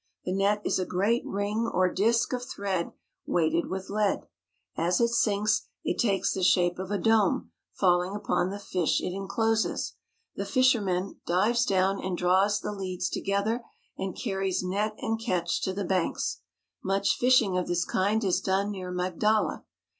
The net is a great ring or disk of thread weighted with lead. As it sinks, it takes the shape of a dome, falling upon the fish it incloses. The fisherman dives down and draws the leads together and carries net and catch to the banks. Much fishing of this kind is done near Magdala.